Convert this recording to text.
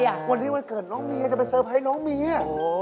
วันนี้วันเกิดน้องเมียจะไปเซอร์ไพรส์น้องเมีย